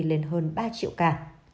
lên hơn ba triệu ca